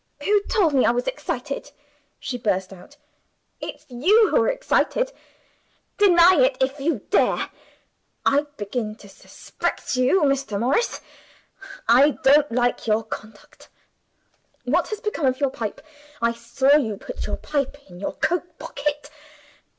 "Who told me I was excited?" she burst out. "It's you who are excited. Deny it if you dare; I begin to suspect you, Mr. Morris; I don't like your conduct. What has become of your pipe? I saw you put your pipe in your coat pocket.